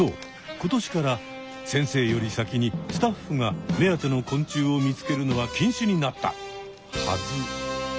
今年から先生より先にスタッフが目当ての昆虫を見つけるのは禁止になったはず。